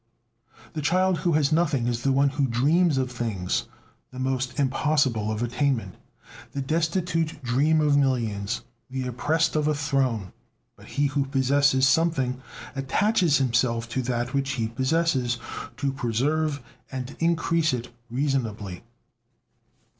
The child who has nothing is the one who dreams of things the most impossible of attainment. The destitute dream of millions, the oppressed of a throne. But he who possesses something attaches himself to that which he possesses to preserve and increase it reasonably.